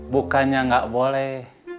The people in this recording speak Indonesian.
bukannya gak boleh